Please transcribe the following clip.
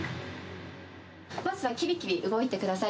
まずはきびきび動いてください。